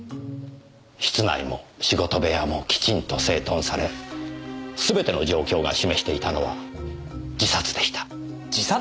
室内も仕事部屋もきちんと整頓され全ての状況が示していたのは自殺でした。